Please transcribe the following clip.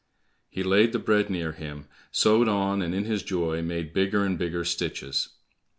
He laid the bread near him, sewed on, and in his joy, made bigger and bigger stitches.